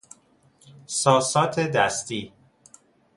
ساسات دستی